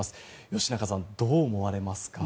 吉永さん、どう思われますか。